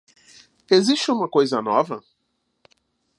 Existe alguma coisa nova?